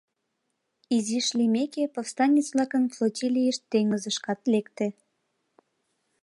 Изиш лиймеке, повстанец-влакын флотилийышт теҥызышкат лекте.